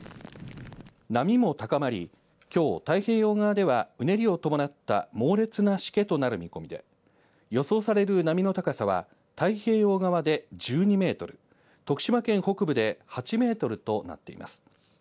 波も高まり、きょう太平洋側では、うねりを伴った猛烈なしけとなる見込みで、予想される波の高さは、太平洋側で１２メートル、徳島県北部で８メートルとなっています。